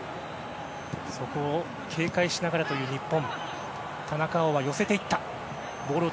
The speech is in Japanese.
そこを警戒しながらという日本。